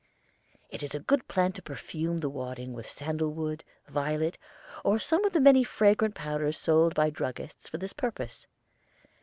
It is a good plan to perfume the wadding with sandal wood, violet, or some of the many fragrant powders sold by druggists for this purpose.